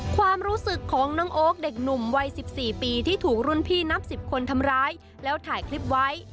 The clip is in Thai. ความรู้สึกของน้องโอ๊คเด็กหนุ่มวัย๑๔ปีที่ถูกรุ่นพี่นับ๑๐คนทำร้ายแล้วถ่ายคลิปไว้